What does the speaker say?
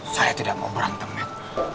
saya tidak mau berantem ya